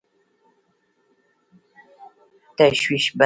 تشویش بد دی.